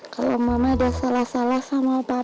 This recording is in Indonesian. kalau mama ada salah salah sama papa